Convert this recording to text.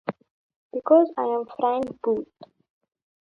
Because I am Frank Booth!